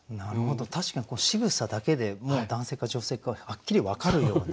確かにしぐさだけでもう男性か女性かはっきり分かるような。